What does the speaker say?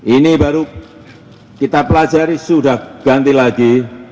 ini baru kita pelajari sudah ganti lagi